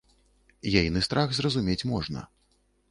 Ейны страх зразумець можна.